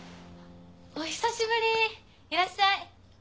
お久しぶりいらっしゃい！